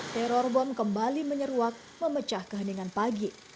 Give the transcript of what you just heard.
teror bom kembali menyeruak memecah keheningan pagi